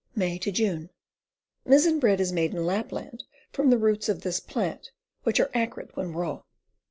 May J line. Missen bread is made in Lapland from the roots of this plant, which are acrid when raw.